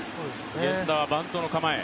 源田はバントの構え。